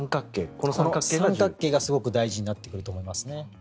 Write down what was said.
この三角形がすごく大事になってくると思いますね。